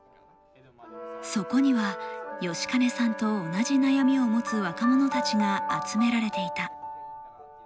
そこには吉金さんと同じ悩みを持つ若者たちが集められていた。